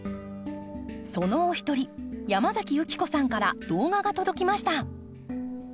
そのお一人山崎由希子さんから動画が届きました。